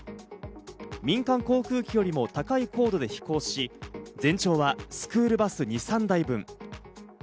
民間航空機よりも高い高度で飛行し、全長はスクールバス２３台分。